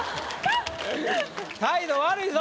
態度悪いぞ！